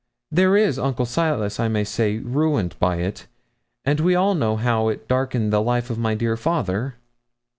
There is Uncle Silas, I may say, ruined by it; and we all know how it darkened the life of my dear father.'